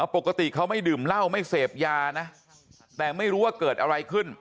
ปกติเขาไม่ดื่มเหล้าไม่เสพยานะแต่ไม่รู้ว่าเกิดอะไรขึ้น